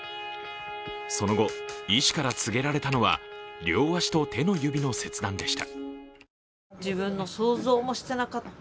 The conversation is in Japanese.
その後、医師から告げられたのは両足と手の指の切断でした。